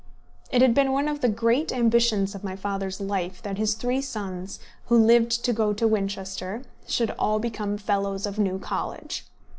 It had been one of the great ambitions of my father's life that his three sons, who lived to go to Winchester, should all become fellows of New College.